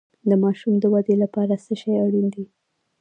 د ماشوم د ودې لپاره څه شی اړین دی؟